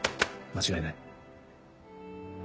間違いない。